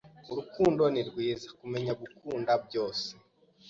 Urukundo ni rwiza, kumenya gukunda byose.